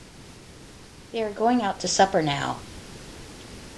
They are going out to supper now.